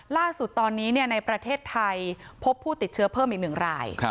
ล่าสุดตอนนี้ในประเทศไทยพบผู้ติดเชื้อเพิ่มอีก๑ราย